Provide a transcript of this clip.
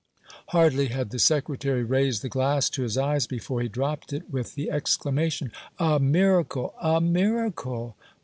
Hardly had the Secretary raised the glass to his eyes before he dropped it with the exclamation: "A miracle! a miracle!"